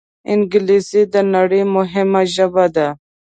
انګلیسي د نړۍ مهمه ژبه ده